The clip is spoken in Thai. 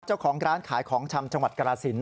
เจ้าของร้านขายของชำจังหวัดกรสิน